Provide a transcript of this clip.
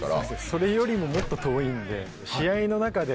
それよりももっと遠いんで。